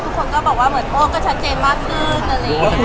ทุกคนก็บอกว่าก็ชัดเจนมากขึ้น